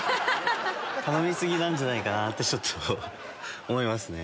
頼み過ぎなんじゃないかとちょっと思いますね。